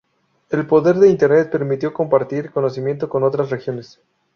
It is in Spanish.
El poder de Internet permitió compartir conocimientos con otras regiones.